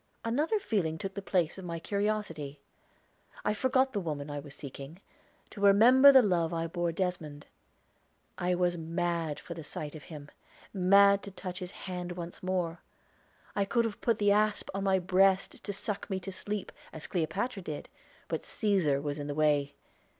Another feeling took the place of my curiosity. I forgot the woman I was seeking, to remember the love I bore Desmond. I was mad for the sight of him mad to touch his hand once more. I could have put the asp on my breast to suck me to sleep, as Cleopatra did; but Cæsar was in the way.